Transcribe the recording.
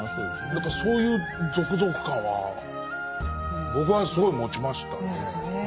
何かそういうゾクゾク感は僕はすごい持ちましたね。